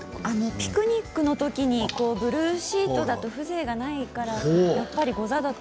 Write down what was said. ピクニックのときにブルーシートだと風情がないからやっぱりござだと。